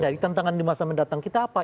jadi tantangan di masa mendatang kita apa